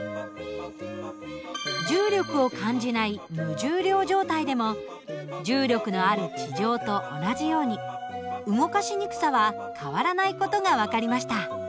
重力を感じない無重量状態でも重力のある地上と同じように動かしにくさは変わらない事が分かりました。